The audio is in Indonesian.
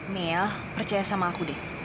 mia percaya sama aku deh